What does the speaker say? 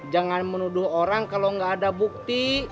jangan menuduh orang kalau nggak ada bukti